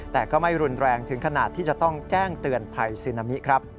แต่ก็ไม่รุนแรงถึงขนาดที่จะต้องแจ้งเตือนภัยซึนามิครับ